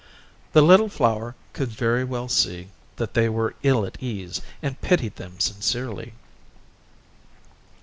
The little flower could very well see that they were ill at ease, and pitied them sincerely.